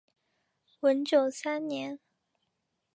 文久三年。